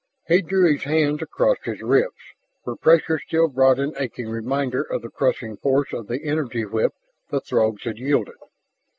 He drew his hands across his ribs, where pressure still brought an aching reminder of the crushing force of the energy whip the Throgs had wielded.